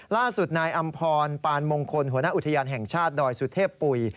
ล่าสุดนายอำพรปานมงคลหัวหน้าอุทยานแห่งชาติดอยสุเทพปุ๋ย